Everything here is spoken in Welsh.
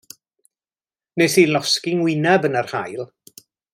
Wnes i losgi 'y ngwynab yn yr haul.